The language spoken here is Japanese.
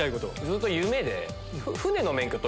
ずっと夢で。